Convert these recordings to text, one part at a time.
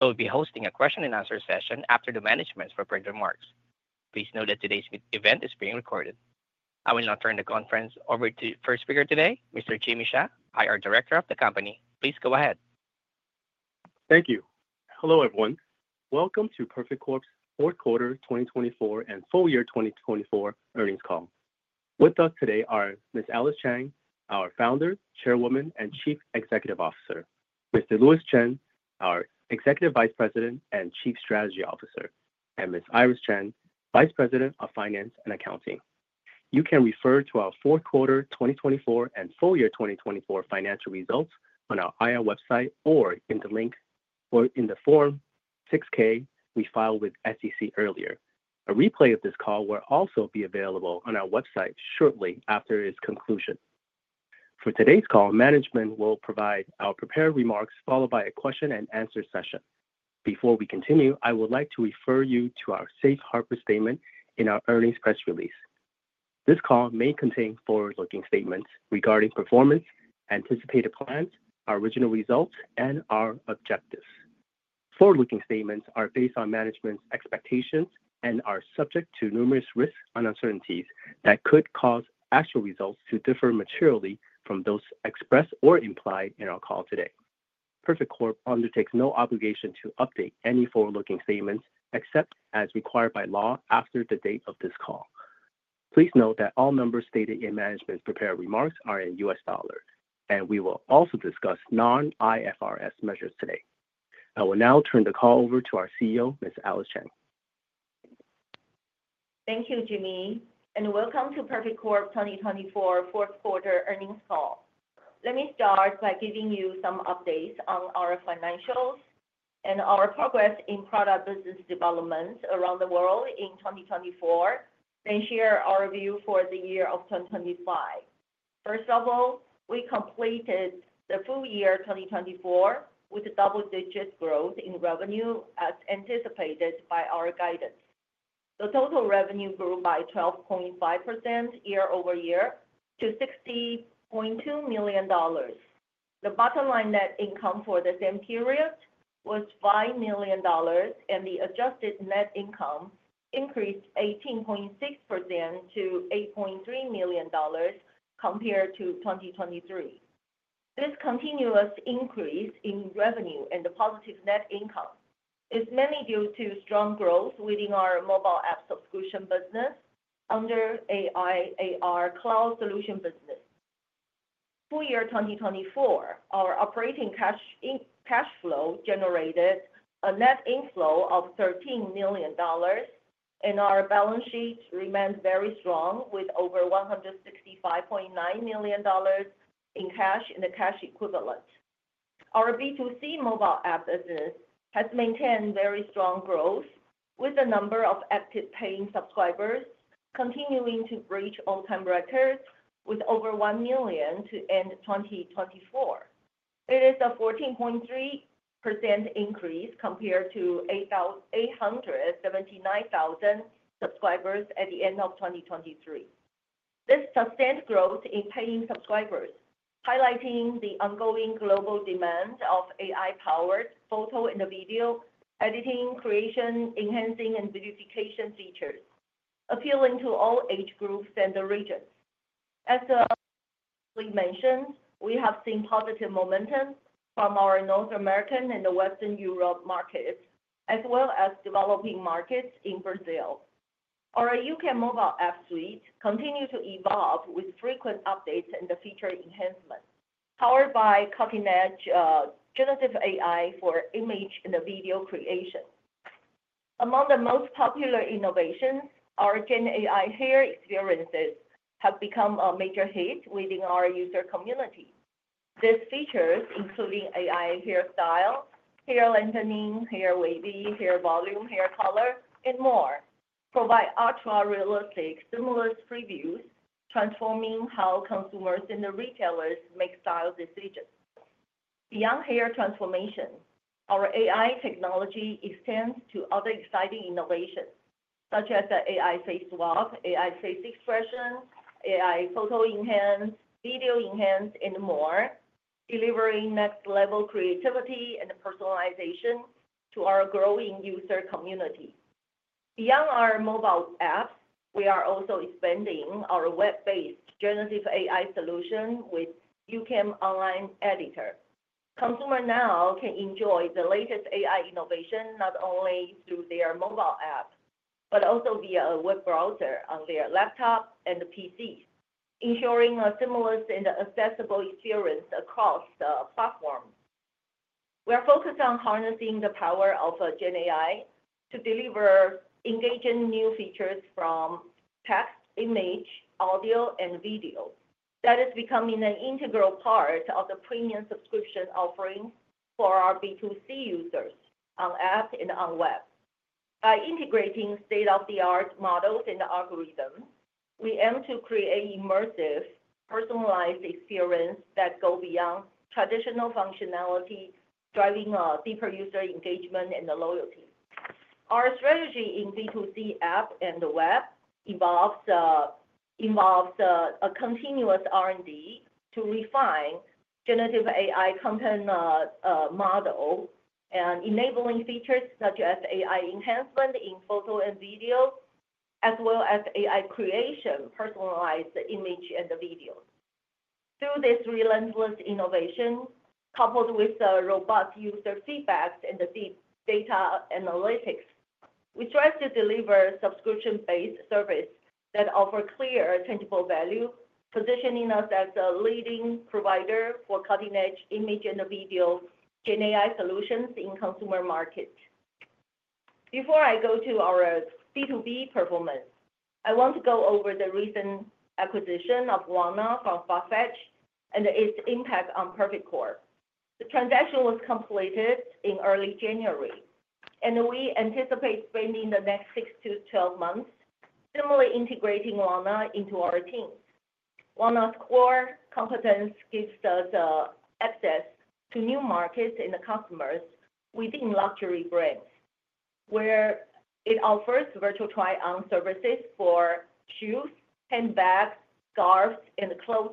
We will be hosting a Q&A session after the management remarks from Perfect Corp's Alice H. Chang. Please note that today's event is being recorded. I will now turn the conference over to the first speaker today, Mr. Jimmy Xia, IR Director of the company. Please go ahead. Thank you. Hello, everyone. Welcome to Perfect Corp's Q4 2024 and Full Year 2024 Earnings Call. With us today are Ms. Alice Chang, our Founder, Chairwoman, and Chief Executive Officer; Mr. Louis Chen, our Executive Vice President and Chief Strategy Officer; and Ms. Iris Chen, Vice President of Finance and Accounting. You can refer to our Q4 2024 and Full Year 2024 financial results on our IR website or in the link or in the Form 6-K we filed with the SEC earlier. A replay of this call will also be available on our website shortly after its conclusion. For today's call, management will provide our prepared remarks followed by a question-and-answer session. Before we continue, I would like to refer you to our Safe Harbor Statement in our earnings press release. This call may contain forward-looking statements regarding performance, anticipated plans, our original results, and our objectives. Forward-looking statements are based on management's expectations and are subject to numerous risks and uncertainties that could cause actual results to differ materially from those expressed or implied in our call today. Perfect Corp undertakes no obligation to update any forward-looking statements except as required by law after the date of this call. Please note that all numbers stated in management's prepared remarks are in U.S. dollars, and we will also discuss Non-IFRS measures today. I will now turn the call over to our CEO, Ms. Alice Chang. Thank you, Jimmy, and welcome to Perfect Corp 2024 Q4 Earnings Call. Let me start by giving you some updates on our financials and our progress in product business development around the world in 2024, then share our view for the year of 2025. First of all, we completed the full year 2024 with double-digit growth in revenue as anticipated by our guidance. The total revenue grew by 12.5% year over year to $60.2 million. The bottom line net income for the same period was $5 million, and the adjusted net income increased 18.6% to $8.3 million compared to 2023. This continuous increase in revenue and the positive net income is mainly due to strong growth within our mobile app subscription business under AI/AR cloud solution business. Full year 2024, our operating cash flow generated a net inflow of $13 million, and our balance sheet remained very strong with over $165.9 million in cash and cash equivalent. Our B2C Mobile App business has maintained very strong growth with the number of active paying subscribers continuing to reach all-time records with over 1 million to end 2024. It is a 14.3% increase compared to 879,000 subscribers at the end of 2023. This substantial growth in paying subscribers highlights the ongoing global demand of AI-powered photo and video editing, creation, enhancing, and verification features, appealing to all age groups and regions. As we mentioned, we have seen positive momentum from our North American and Western Europe markets, as well as developing markets in Brazil. Our YouCam mobile app suite continues to evolve with frequent updates and feature enhancements, powered by cutting-edge generative AI for image and video creation. Among the most popular innovations, our Gen AI hair experiences have become a major hit within our user community. These features, including AI hairstyle, hair lengthening, hair waving, hair volume, hair color, and more, provide ultra-realistic, seamless previews, transforming how consumers and retailers make style decisions. Beyond hair transformation, our AI technology extends to other exciting innovations, such as the AI face swap, AI face expression, AI photo enhance, AI video enhance, and more, delivering next-level creativity and personalization to our growing user community. Beyond our mobile apps, we are also expanding our web-based generative AI solution with YouCam Online Editor. Consumers now can enjoy the latest AI innovation not only through their mobile app, but also via a web browser on their laptop and PC, ensuring a seamless and accessible experience across the platform. We are focused on harnessing the power of Gen AI to deliver engaging new features from text, image, audio, and video that is becoming an integral part of the premium subscription offerings for our B2C users on app and on web. By integrating state-of-the-art models and algorithms, we aim to create immersive, personalized experiences that go beyond traditional functionality, driving a deeper user engagement and loyalty. Our strategy in B2C app and web involves a continuous R&D to refine generative AI content model and enabling features such as AI enhancement in photo and video, as well as AI creation, personalized image and video. Through this relentless innovation, coupled with robust user feedback and deep data analytics, we strive to deliver subscription-based services that offer clear, tangible value, positioning us as a leading provider for cutting-edge image and video Gen AI solutions in consumer markets. Before I go to our B2B performance, I want to go over the recent acquisition of WANNA from Farfetch and its impact on Perfect Corp. The transaction was completed in early January, and we anticipate spending the next 6 to 12 months similarly integrating WANNA into our team. WANNA's core competence gives us access to new markets and customers within luxury brands, where it offers virtual try-on services for shoes, handbags, scarves, and clothes.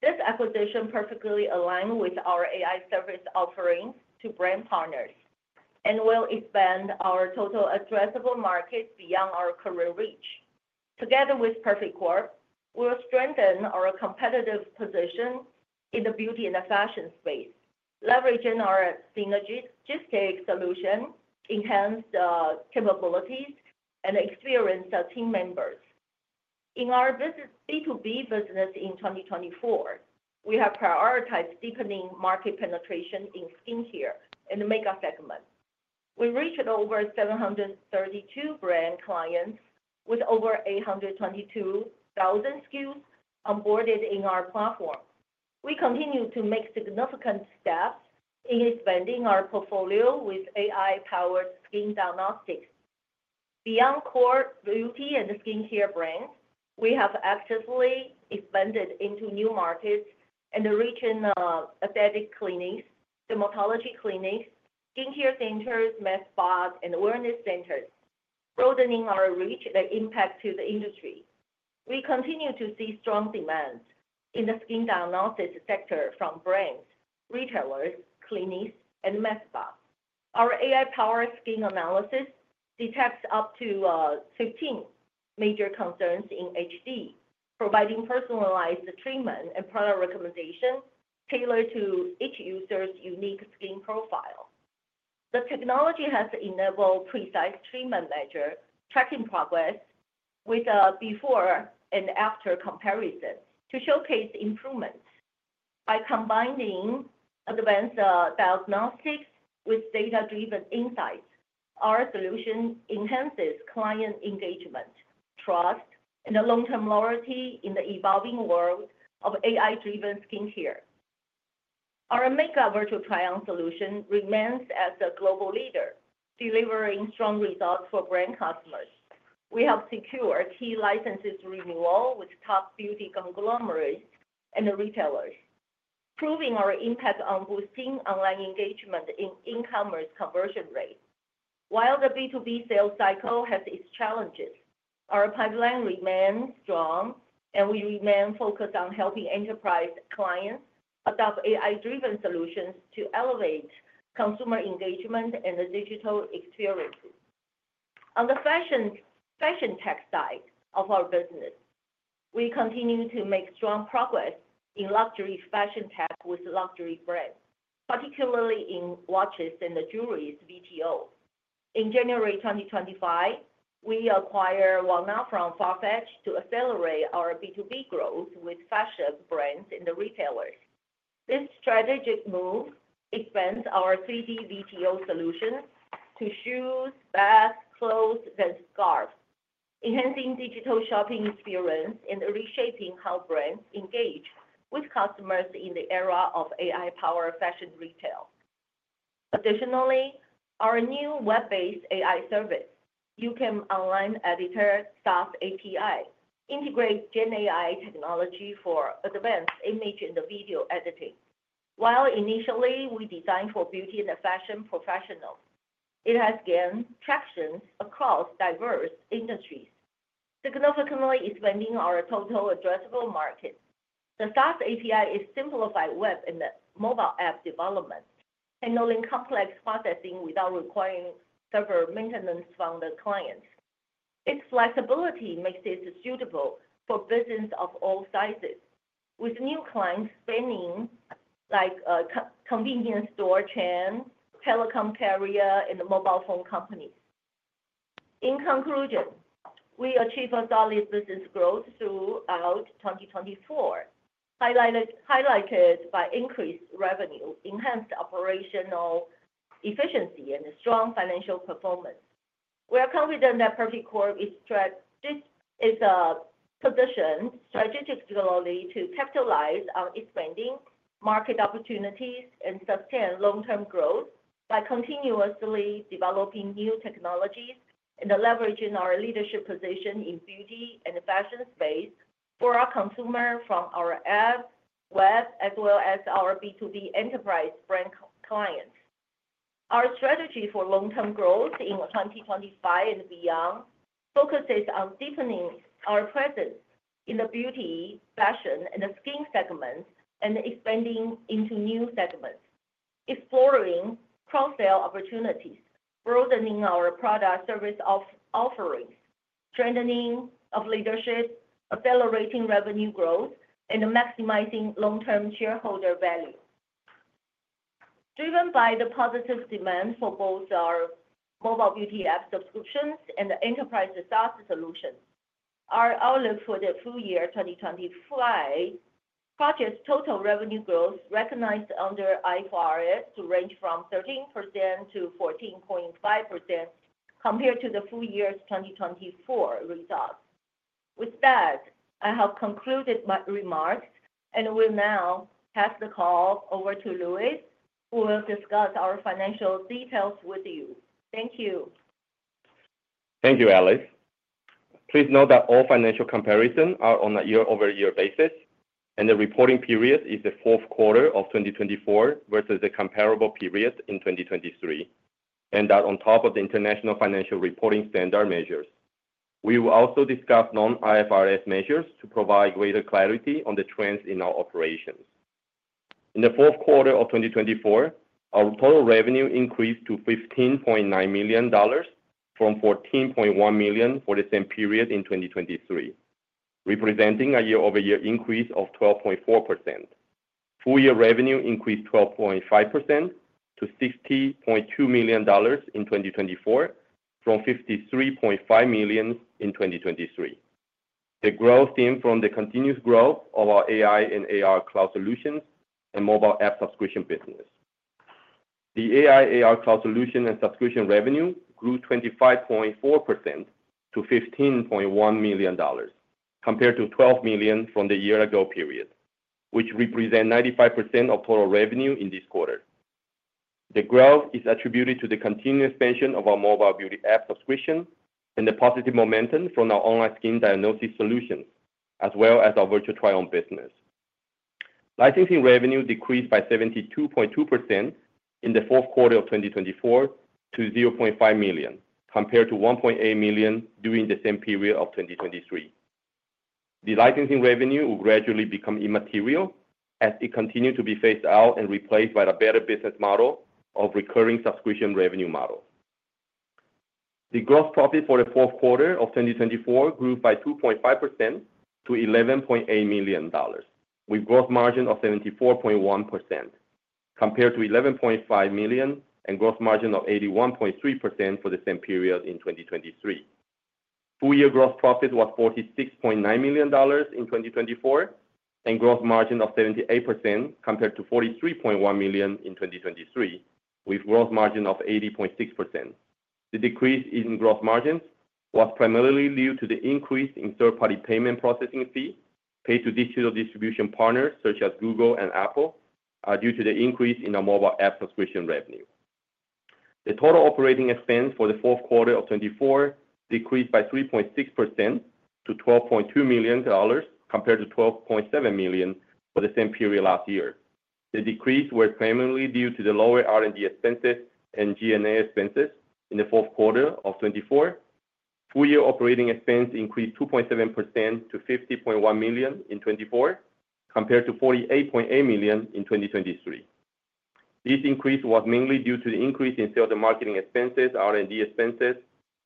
This acquisition perfectly aligns with our AI service offerings to brand partners and will expand our total addressable market beyond our current reach. Together with Perfect Corp, we will strengthen our competitive position in the beauty and fashion space, leveraging our synergistic solutions, enhanced capabilities, and experienced team members. In our B2B business in 2024, we have prioritized deepening market penetration in skincare and the makeup segment. We reached over 732 brand clients with over 822,000 SKUs onboarded in our platform. We continue to make significant steps in expanding our portfolio with AI-powered skin diagnostics. Beyond core beauty and skincare brands, we have actively expanded into new markets and reached aesthetic clinics, dermaU.tology clinics, skincare centers, med spas, and wellness centers, broadening our reach and impact to the industry. We continue to see strong demand in the skin diagnostics sector from brands, retailers, clinics, and med spas. Our AI-powered skin analysis detects up to 15 major concerns in HD, providing personalized treatment and product recommendations tailored to each user's unique skin profile. The technology has enabled precise treatment measure tracking progress with a before-and-after comparison to showcase improvements. By combining advanced diagnostics with data-driven insights, our solution enhances client engagement, trust, and a long-term loyalty in the evolving world of AI-driven skincare. Our makeup virtual try-on solution remains as a global leader, delivering strong results for brand customers. We have secured key license renewals with top beauty conglomerates and retailers, proving our impact on boosting online engagement and e-commerce conversion rates. While the B2B sales cycle has its challenges, our pipeline remains strong, and we remain focused on helping enterprise clients adopt AI-driven solutions to elevate consumer engagement and the digital experiences. On the fashion tech side of our business, we continue to make strong progress in luxury fashion tech with luxury brands, particularly in watches and jewelry (VTO). In January 2025, we acquired Wanna from Farfetch to accelerate our B2B growth with fashion brands and retailers. This strategic move expands our 3D VTO solutions to shoes, bags, clothes, and scarves, enhancing digital shopping experiences and reshaping how brands engage with customers in the era of AI-powered fashion retail. Additionally, our new web-based AI service, YouCam Online Editor SaaS API, integrates Gen AI technology for advanced image and video editing. While initially we designed for beauty and fashion professionals, it has gained traction across diverse industries, significantly expanding our total addressable market. The SaaS API has simplified web and mobile app development, handling complex processing without requiring server maintenance from the clients. Its flexibility makes it suitable for businesses of all sizes, with new clients spanning convenience store chains, telecom carriers, and mobile phone companies. In conclusion, we achieved solid business growth throughout 2024, highlighted by increased revenue, enhanced operational efficiency, and strong financial performance. We are confident that Perfect Corp is positioned strategically to capitalize on expanding market opportunities and sustain long-term growth by continuously developing new technologies and leveraging our leadership position in beauty and fashion space for our consumers from our app, web, as well as our B2B enterprise brand clients. Our strategy for long-term growth in 2025 and beyond focuses on deepening our presence in the beauty, fashion, and skin segments and expanding into new segments, exploring cross-sell opportunities, broadening our product service offerings, strengthening leadership, accelerating revenue growth, and maximizing long-term shareholder value. Driven by the positive demand for both our mobile beauty app subscriptions and enterprise SaaS solutions, our outlook for the full year 2025 projects total revenue growth recognized under IFRS to range from 13%-14.5% compared to the full year 2024 results. With that, I have concluded my remarks and will now pass the call over to Louis, who will discuss our financial details with you. Thank you. Thank you, Alice. Please note that all financial comparisons are on a year-over-year basis, and the reporting period is the Q4 of 2024 versus the comparable period in 2023, and that on top of the International Financial Reporting Standard measures. We will also discuss non-IFRS measures to provide greater clarity on the trends in our operations. In the Q4 of 2024, our total revenue increased to $15.9 million from $14.1 million for the same period in 2023, representing a year-over-year increase of 12.4%. Full year revenue increased 12.5% to $60.2 million in 2024 from $53.5 million in 2023. The growth came from the continuous growth of our AI and AR cloud solutions and mobile app subscription business. The AI/AR cloud solution and subscription revenue grew 25.4% to $15.1 million compared to $12 million from the year-ago period, which represents 95% of total revenue in this quarter. The growth is attributed to the continued expansion of our mobile beauty app subscription and the positive momentum from our online skin diagnosis solutions, as well as our virtual try-on business. Licensing revenue decreased by 72.2% in the Q4 of 2024 to $0.5 million compared to $1.8 million during the same period of 2023. The licensing revenue will gradually become immaterial as it continues to be phased out and replaced by a better business model of recurring subscription revenue models. The gross profit for the Q4 of 2024 grew by 2.5% to $11.8 million, with a gross margin of 74.1% compared to $11.5 million and a gross margin of 81.3% for the same period in 2023. Full year gross profit was $46.9 million in 2024 and a gross margin of 78% compared to $43.1 million in 2023, with a gross margin of 80.6%. The decrease in gross margins was primarily due to the increase in third-party payment processing fees paid to digital distribution partners such as Google and Apple due to the increase in our mobile app subscription revenue. The total operating expense for the Q4 of 2024 decreased by 3.6% to $12.2 million compared to $12.7 million for the same period last year. The decrease was primarily due to the lower R&D expenses and G&A expenses in the Q4 of 2024. Full year operating expense increased 2.7% to $50.1 million in 2024 compared to $48.8 million in 2023. This increase was mainly due to the increase in sales and marketing expenses, R&D expenses,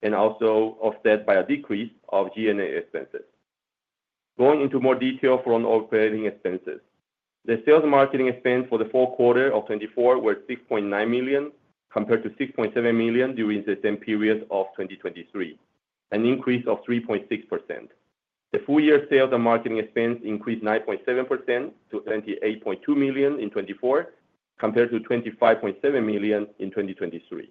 and also offset by a decrease of G&A expenses. Going into more detail from operating expenses, the sales and marketing expense for the Q4 of 2024 was $6.9 million compared to $6.7 million during the same period of 2023, an increase of 3.6%. The full year sales and marketing expense increased 9.7% to $28.2 million in 2024 compared to $25.7 million in 2023.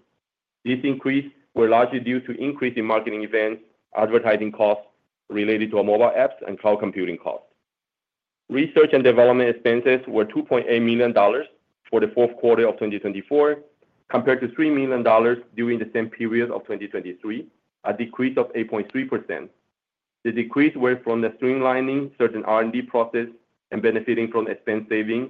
This increase was largely due to increases in marketing events, advertising costs related to our mobile apps, and cloud computing costs. Research and development expenses were $2.8 million for the Q4 of 2024 compared to $3 million during the same period of 2023, a decrease of 8.3%. The decrease was from streamlining certain R&D processes and benefiting from expense savings.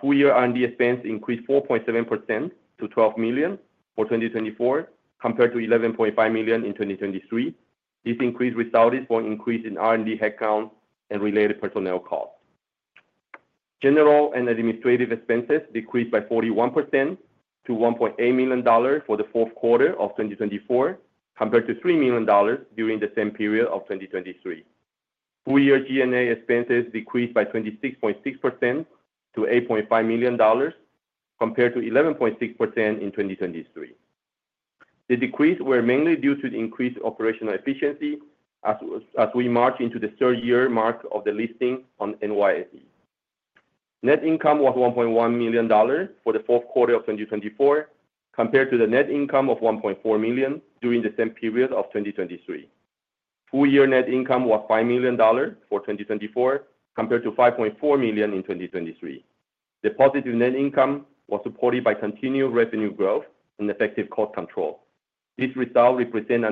Full year R&D expenses increased 4.7% to $12 million for 2024 compared to $11.5 million in 2023. This increase resulted from an increase in R&D headcount and related personnel costs. General and administrative expenses decreased by 41% to $1.8 million for the Q4 of 2024 compared to $3 million during the same period of 2023. Full year G&A expenses decreased by 26.6% to $8.5 million compared to $11.6 million in 2023. The decrease was mainly due to the increased operational efficiency as we marched into the third year mark of the listing on NYSE. Net income was $1.1 million for the Q4 of 2024 compared to the net income of $1.4 million during the same period of 2023. Full year net income was $5 million for 2024 compared to $5.4 million in 2023. The positive net income was supported by continued revenue growth and effective cost control. This result represents a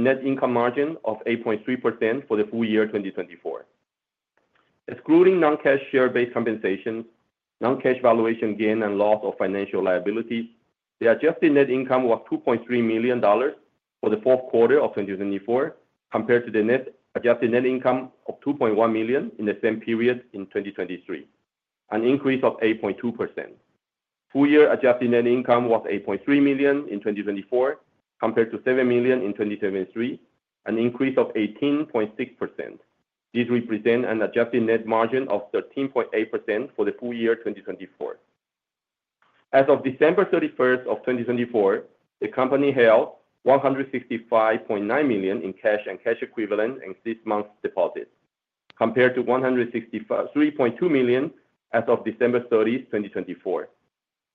net income margin of 8.3% for the full year 2024. Excluding non-cash share-based compensations, non-cash valuation gains and loss of financial liabilities, the adjusted net income was $2.3 million for the Q4 of 2024 compared to the adjusted net income of $2.1 million in the same period in 2023, an increase of 8.2%. Full year adjusted net income was $8.3 million in 2024 compared to $7 million in 2023, an increase of 18.6%. This represents an adjusted net margin of 13.8% for the full year 2024. As of December 31 of 2024, the company held $165.9 million in cash and cash equivalent and six-month deposits compared to $163.2 million as of December 30, 2024.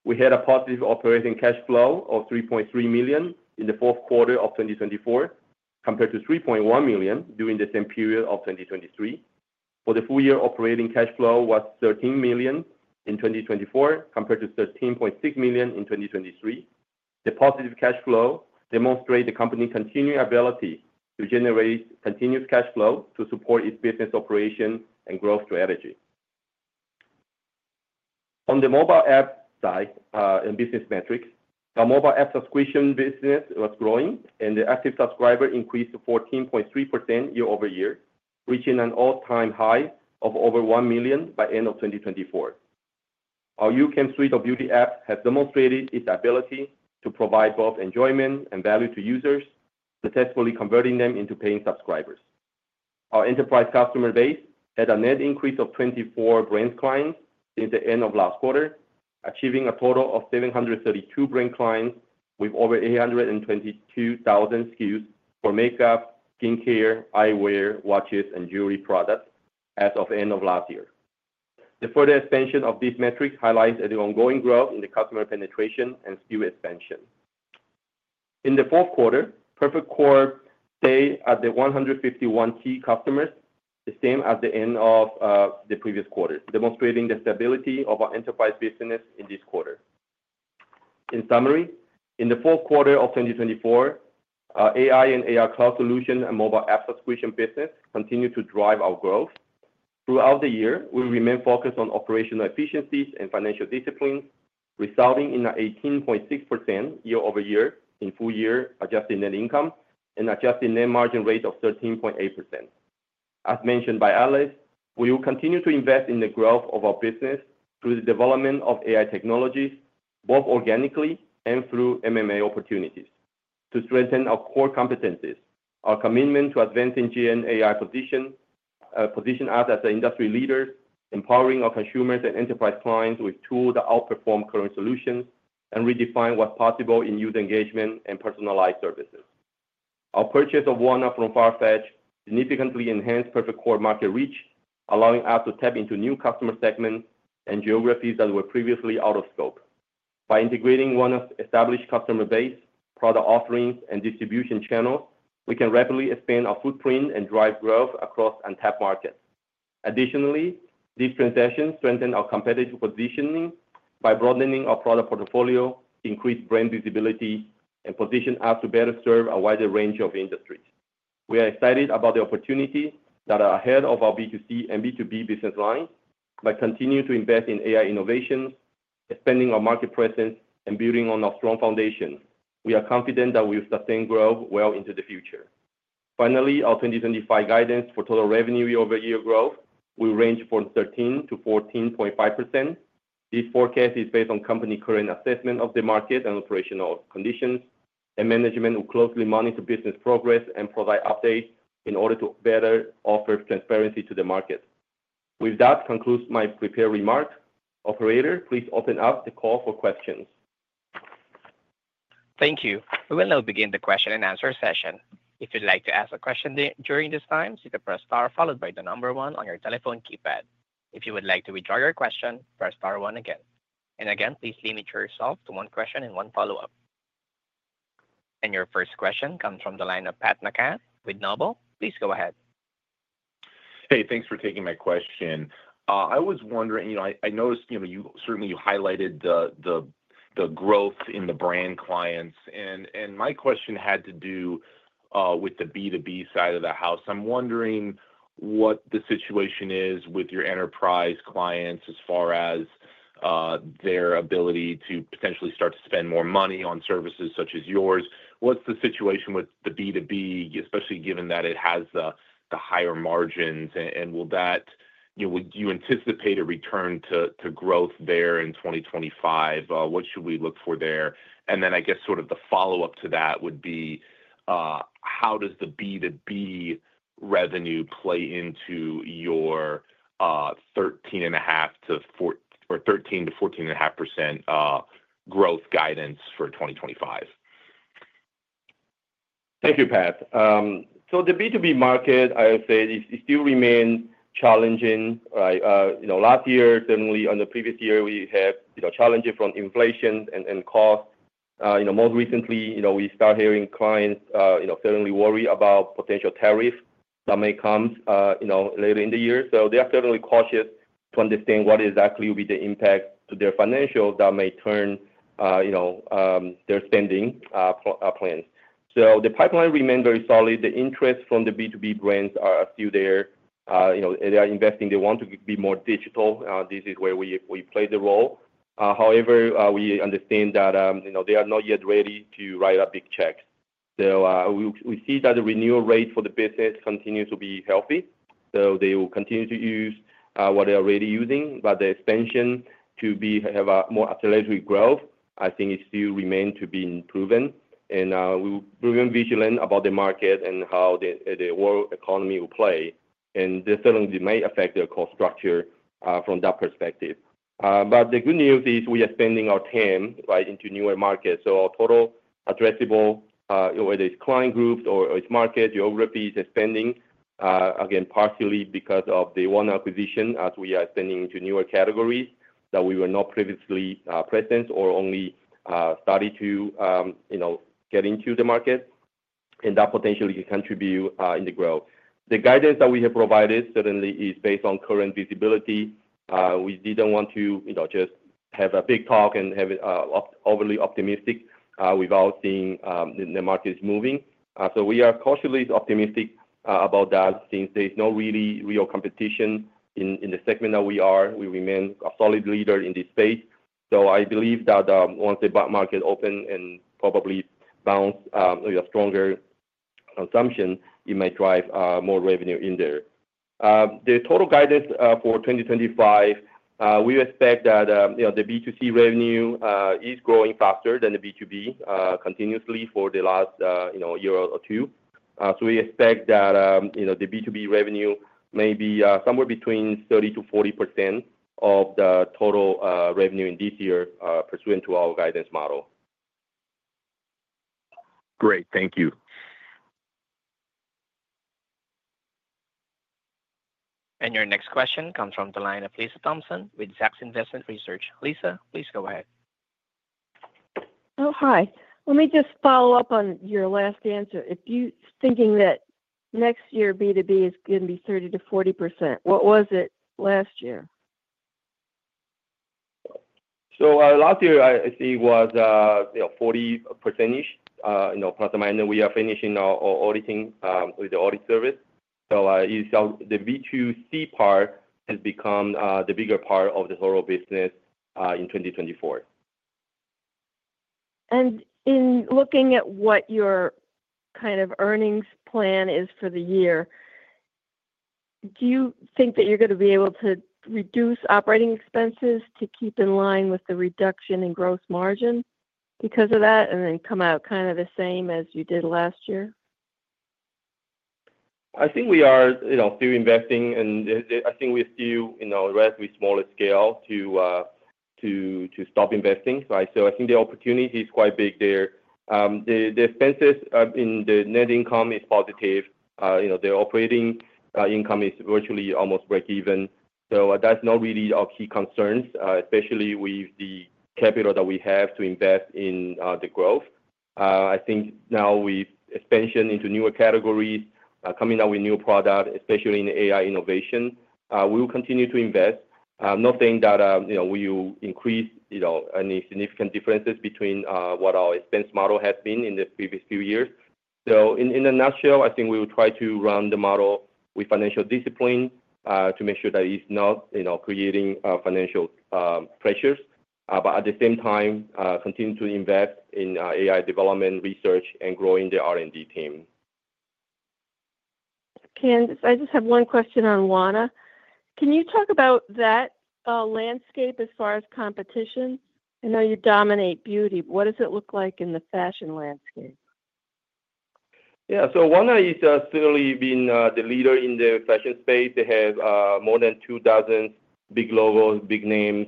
We had a positive operating cash flow of $3.3 million in the Q4 of 2024 compared to $3.1 million during the same period of 2023. For the full year operating cash flow was $13 million in 2024 compared to $13.6 million in 2023. The positive cash flow demonstrates the company's continued ability to generate continuous cash flow to support its business operation and growth strategy. On the mobile app side and business metrics, our mobile app subscription business was growing, and the active subscriber increased by 14.3% year-over-year, reaching an all-time high of over $1 million by the end of 2024. Our YouCam Suite of Beauty Apps has demonstrated its ability to provide both enjoyment and value to users, successfully converting them into paying subscribers. Our enterprise customer base had a net increase of 24 brand clients since the end of last quarter, achieving a total of 732 brand clients with over 822,000 SKUs for makeup, skincare, eyewear, watches, and jewelry products as of the end of last year. The further expansion of these metrics highlights the ongoing growth in customer penetration and SKU expansion. In the Q4, Perfect Corp stayed at the 151 key customers, the same as the end of the previous quarter, demonstrating the stability of our enterprise business in this quarter. In summary, in the Q4 of 2024, our AI and AR cloud solution and mobile app subscription business continued to drive our growth. Throughout the year, we remained focused on operational efficiencies and financial disciplines, resulting in an 18.6% year-over-year in full year adjusted net income and adjusted net margin rate of 13.8%. As mentioned by Alice, we will continue to invest in the growth of our business through the development of AI technologies, both organically and through M&A opportunities, to strengthen our core competencies. Our commitment to advancing Gen AI position us as industry leaders, empowering our consumers and enterprise clients with tools that outperform current solutions, and redefine what's possible in user engagement and personalized services. Our purchase of Wanna from Farfetch significantly enhanced Perfect Corp market reach, allowing us to tap into new customer segments and geographies that were previously out of scope. By integrating Wanna's established customer base, product offerings, and distribution channels, we can rapidly expand our footprint and drive growth across untapped markets. Additionally, these transactions strengthen our competitive positioning by broadening our product portfolio, increasing brand visibility, and positioning us to better serve a wider range of industries. We are excited about the opportunities that are ahead of our B2C and B2B business lines. By continuing to invest in AI innovations, expanding our market presence, and building on our strong foundation, we are confident that we will sustain growth well into the future. Finally, our 2025 guidance for total revenue year-over-year growth will range from 13%-14.5%. This forecast is based on the company's current assessment of the market and operational conditions, and management will closely monitor business progress and provide updates in order to better offer transparency to the market. With that concludes my prepared remarks. Operator, please open up the call for questions. Thank you. We will now begin the Q&A session. If you'd like to ask a question during this time, you can press star followed by the number one on your telephone keypad. If you would like to withdraw your question, press star one again. Please limit yourself to one question and one follow-up. Your first question comes from the line of Pat McCann with Noble. Please go ahead. Hey, thanks for taking my question. I was wondering, I noticed you certainly highlighted the growth in the brand clients, and my question had to do with the B2B side of the house. I'm wondering what the situation is with your enterprise clients as far as their ability to potentially start to spend more money on services such as yours. What's the situation with the B2B, especially given that it has the higher margins? Would you anticipate a return to growth there in 2025? What should we look for there? I guess sort of the follow-up to that would be, how does the B2B revenue play into your 13.5%-14.5% growth guidance for 2025? Thank you, Pat. The B2B market, I would say, still remains challenging. Last year, certainly on the previous year, we had challenges from inflation and costs. Most recently, we started hearing clients, certainly worry about potential tariffs that may come later in the year. They are certainly cautious to understand what exactly will be the impact to their financials that may turn their spending plans. The pipeline remains very solid. The interest from the B2B brands is still there. They are investing. They want to be more digital. This is where we play the role. However, we understand that they are not yet ready to write up big checks. We see that the renewal rate for the business continues to be healthy. They will continue to use what they are already using. The expansion to have a more acceleratory growth still remains to be proven. We will remain vigilant about the market and how the world economy will play. This certainly may affect their cost structure from that perspective. The good news is we are spending our time right into newer markets. Our total addressable, whether it's client groups or its market geography, is spending, again, partially because of the Wanna acquisition, as we are spending into newer categories that we were not previously present or only started to get into the market. That potentially can contribute in the growth. The guidance that we have provided certainly is based on current visibility. We did not want to just have a big talk and have it overly optimistic without seeing the markets moving. We are cautiously optimistic about that since there is no really real competition in the segment that we are. We remain a solid leader in this space. I believe that once the market opens and probably bounces with a stronger consumption, it may drive more revenue in there. The total guidance for 2025, we expect that the B2C revenue is growing faster than the B2B continuously for the last year or two. We expect that the B2B revenue may be somewhere between 30%-40% of the total revenue in this year pursuant to our guidance model. Great. Thank you. Your next question comes from the line of Lisa Thompson with Zacks Investment Research. Lisa, please go ahead. Oh, hi. Let me just follow up on your last answer. If you're thinking that next year B2B is going to be 30%-40%, what was it last year? Last year, it was 40%-ish. Plus or minus, we are finishing our auditing with the audit service. The B2C part has become the bigger part of the total business in 2024. In looking at what your kind of earnings plan is for the year, do you think that you're going to be able to reduce operating expenses to keep in line with the reduction in gross margin because of that and then come out kind of the same as you did last year? We are still investing, and we're still relatively small scale to stop investing. The opportunity is quite big there. The expenses in the net income are positive. The operating income is virtually almost break-even. That is not really our key concerns, especially with the capital that we have to invest in the growth. Now with expansion into newer categories, coming out with new products, especially in AI innovation, we will continue to invest. I'm not saying that, we will increase any significant differences between what our expense model has been in the previous few years. In a nutshell, we will try to run the model with financial discipline to make sure that it's not creating financial pressures. At the same time, continue to invest in AI development, research, and growing the R&D team. Can I just have one question on Wanna. Can you talk about that landscape as far as competition? I know you dominate beauty. What does it look like in the fashion landscape? Yeah. Wanna has certainly been the leader in the fashion space. They have more than two dozen big logos, big names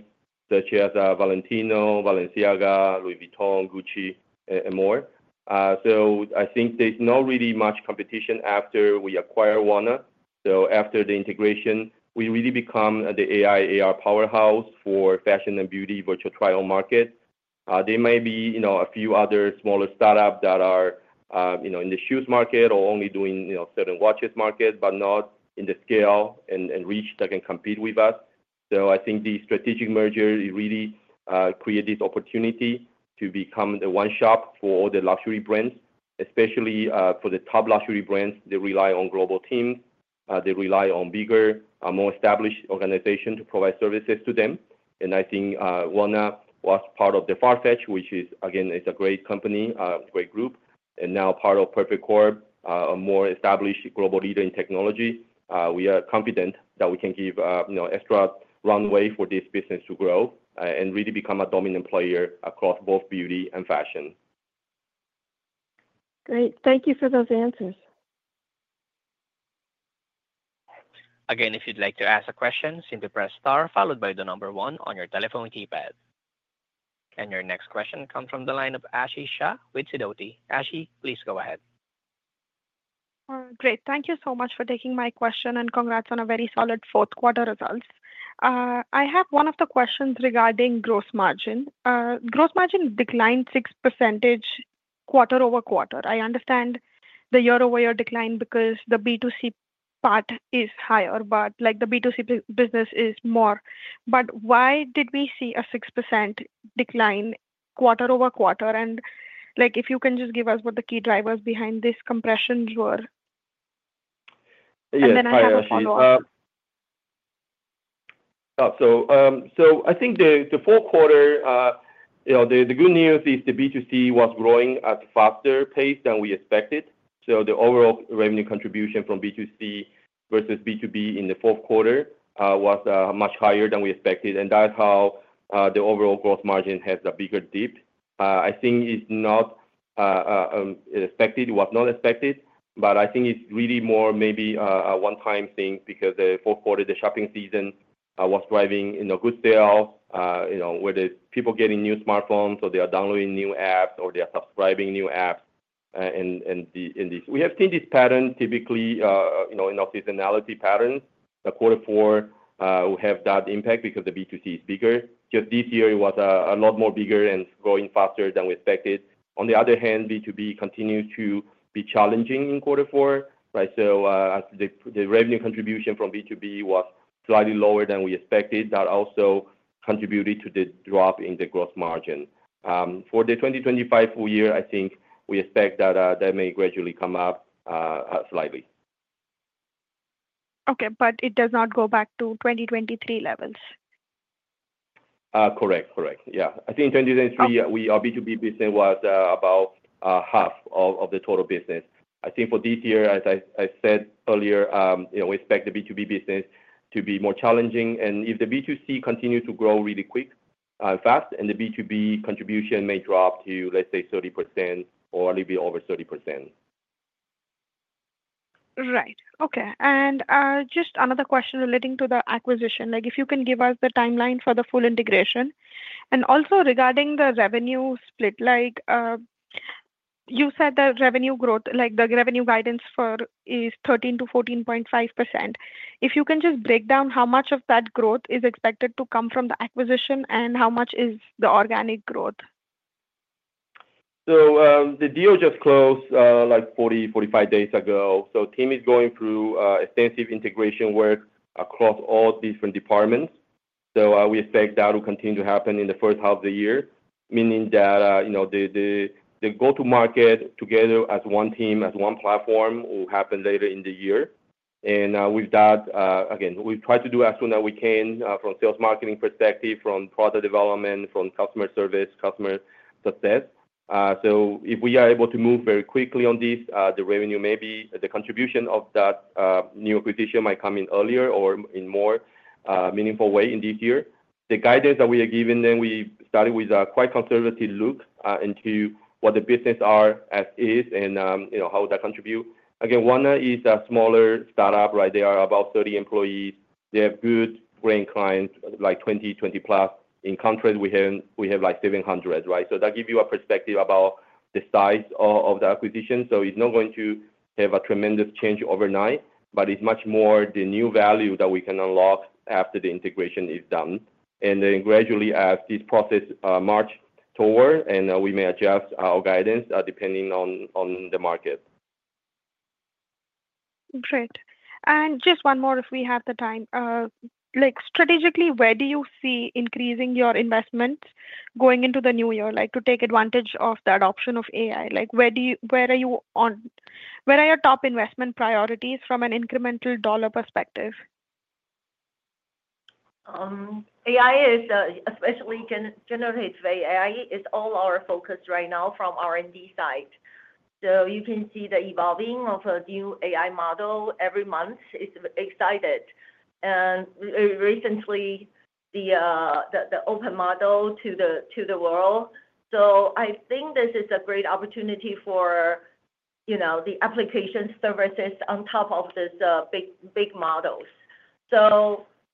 such as Valentino, Balenciaga, Louis Vuitton, Gucci, and more. There's not really much competition after we acquire Wanna. After the integration, we really become the AI/AR powerhouse for fashion and beauty virtual trial markets. There may be a few other smaller startups that are in the shoes market or only doing certain watches markets, but not in the scale and reach that can compete with us. These strategic mergers really create this opportunity to become the one shop for all the luxury brands, especially for the top luxury brands. They rely on global teams. They rely on bigger, more established organizations to provide services to them. Wanna was part of Farfetch, which is, again, a great company, a great group, and now part of Perfect Corp, a more established global leader in technology. We are confident that we can give extra runway for this business to grow and really become a dominant player across both beauty and fashion. Great. Thank you for those answers. Again, if you'd like to ask a question, simply press star followed by the number one on your telephone keypad. Your next question comes from the line of Aashi Shah with Sidoti. Ashi, please go ahead. Great. Thank you so much for taking my question and congrats on a very solid Q4 results. I have one of the questions regarding gross margin. Gross margin declined 6% quarter over quarter. I understand the year-over-year decline because the B2C part is higher, but like the B2C business is more. Why did we see a 6% decline quarter over quarter? If you can just give us what the key drivers behind this compression were. Yeah, go ahead, Aashi. The Q4, the good news is the B2C was growing at a faster pace than we expected. The overall revenue contribution from B2C versus B2B in the Q4 was much higher than we expected. That is how the overall gross margin has a bigger dip. It's not expected, was not expected, but it's really more maybe a one-time thing because the Q4, the shopping season was driving in a good sale, whether people getting new smartphones or they are downloading new apps or they are subscribing to new apps. We have seen this pattern typically, in our seasonality patterns. The quarter four will have that impact because the B2C is bigger. Just this year, it was a lot more bigger and growing faster than we expected. On the other hand, B2B continues to be challenging in quarter four. Right? The revenue contribution from B2B was slightly lower than we expected. That also contributed to the drop in the gross margin. For the 2025 full year, we expect that that may gradually come up slightly. Okay. It does not go back to 2023 levels. Correct. Yeah. In 2023, our B2B business was about half of the total business. For this year, as I said earlier, we expect the B2B business to be more challenging. If the B2C continues to grow really quick and fast, then the B2B contribution may drop to, let's say, 30% or a little bit over 30%. Right. Okay. Just another question relating to the acquisition. If you can give us the timeline for the full integration. Also regarding the revenue split, like you said that revenue growth, like the revenue guidance for is 13%-14.5%. If you can just break down how much of that growth is expected to come from the acquisition and how much is the organic growth? The deal just closed like 40-45 days ago. The team is going through extensive integration work across all different departments. We expect that will continue to happen in the first half of the year, meaning that the go-to-market together as one team, as one platform will happen later in the year. With that, again, we try to do as soon as we can from sales marketing perspective, from product development, from customer service, customer success. If we are able to move very quickly on this, the revenue, maybe the contribution of that new acquisition, might come in earlier or in a more meaningful way in this year. The guidance that we are giving them, we started with a quite conservative look into what the business is as is and how that contribute. Again, WANA is a smaller startup, right? They are about 30 employees. They have good brand clients, like 20, 20 plus. In contrast, we have like 700, right? That gives you a perspective about the size of the acquisition. It is not going to have a tremendous change overnight, but it is much more the new value that we can unlock after the integration is done. Gradually, as this process marches forward, we may adjust our guidance depending on the market. Great. Just one more, if we have the time. Strategically, where do you see increasing your investments going into the new year, like to take advantage of the adoption of AI? Where are you on, where are your top investment priorities from an incremental dollar perspective? AI, especially generative AI, is all our focus right now from R&D side. You can see the evolving of a new AI model every month is excited. Recently, the open model to the world. This is a great opportunity for the application services on top of these big, big models.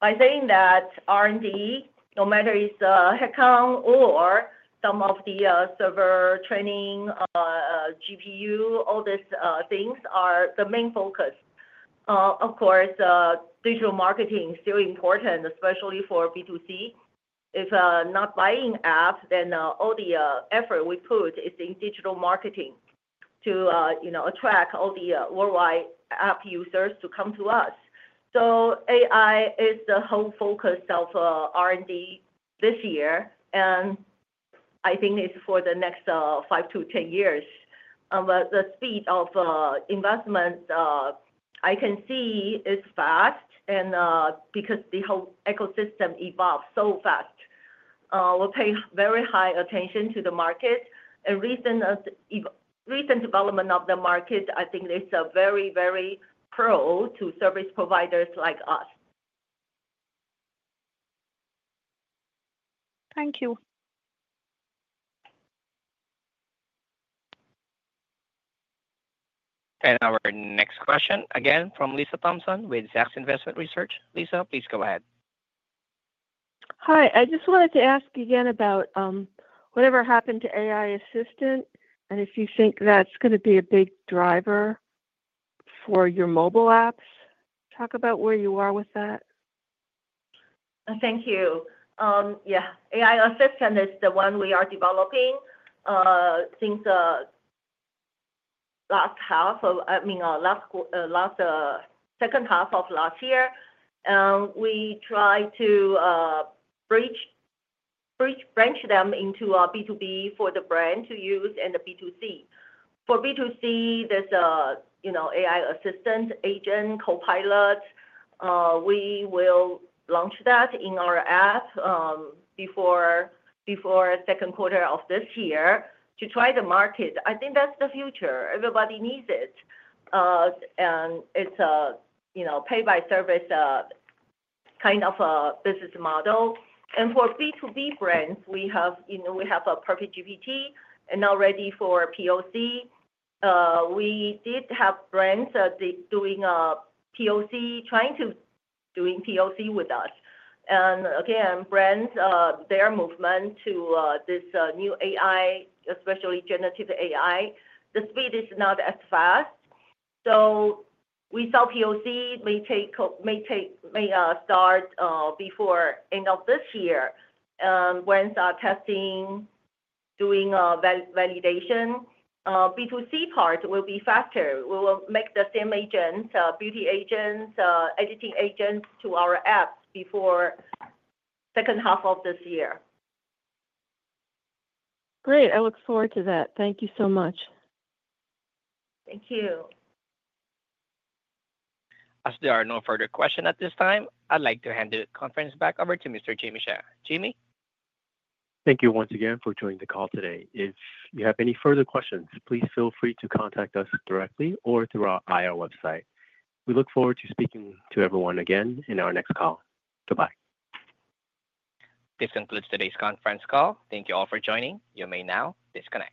By saying that R&D, no matter if it's a hackathon or some of the server training, GPU, all these things are the main focus. Of course, digital marketing is still important, especially for B2C. If not buying apps, then all the effort we put is in digital marketing to attract all the worldwide app users to come to us. AI is the whole focus of R&D this year, and it's for the next 5 to 10 years. The speed of investment, I can see it's fast and because the whole ecosystem evolves so fast. We're paying very high attention to the market. Recent development of the market it's very, very pro to service providers like us. Thank you. Our next question again from Lisa Thompson with Zacks Investment Research. Lisa, please go ahead. Hi. I just wanted to ask again about whatever happened to AI Assistant and if you think that's going to be a big driver for your mobile apps. Talk about where you are with that. Thank you. Yeah. AI Assistant is the one we are developing since the last second half of last year. We try to branch them into a B2B for the brand to use and the B2C. For B2C, there's a AI Assistant agent, co-pilot. We will launch that in our app before the Q2 of this year to try the market. That's the future. Everybody needs it. And it's a pay-by-service kind of a business model. For B2B brands, we have a PerfectGPT and now ready for POC. We did have brands doing a POC, trying to do POC with us. Again, brands, their movement to this new AI, especially generative AI, the speed is not as fast. We saw POC may take, may take, may start before the end of this year. Brands are testing, doing validation. B2C part will be faster. We will make the same agents, beauty agents, editing agents to our apps before the second half of this year. Great. I look forward to that. Thank you so much. Thank you. As there are no further questions at this time, I'd like to hand the conference back over to Mr. Jimmy Xia. Jimmy. Thank you once again for joining the call today. If you have any further questions, please feel free to contact us directly or through our IR website. We look forward to speaking to everyone again in our next call. Goodbye. This concludes today's conference call. Thank you all for joining. You may now disconnect.